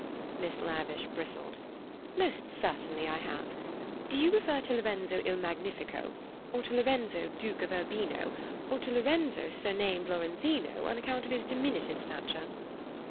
Miss Lavish bristled. "Most certainly I have. Do you refer to Lorenzo il Magnifico, or to Lorenzo, Duke of Urbino, or to Lorenzo surnamed Lorenzino on account of his diminutive stature?"